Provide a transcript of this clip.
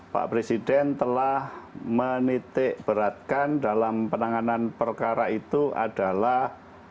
pak presiden telah menitikberatkan dalam penanganan perkara itu adalah